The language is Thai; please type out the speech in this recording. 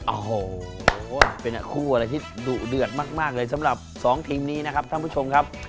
โอ้โหเป็นคู่อะไรที่ดุเดือดมากเลยสำหรับ๒ทีมนี้นะครับท่านผู้ชมครับ